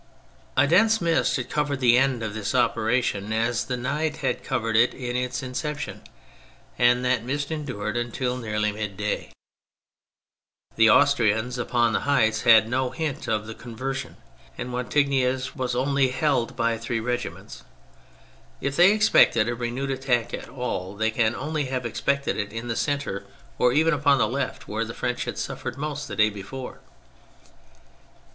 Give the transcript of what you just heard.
A dense mist had covered the end of this operation as the night had covered its in ception, and that mist endured until nearly middaj^. The Austrians upon the heights had no hint of the conversion, and Wattignies was only held by three regiments. If they expected a renewed attack at all, they can only have expected it in the centre, or even upon the left where the French had suffered most the day before.